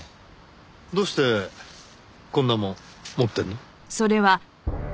どうしてこんなもん持ってるの？